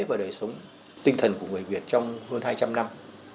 và đời sống tinh thần của người việt trong hơn hai trăm linh năm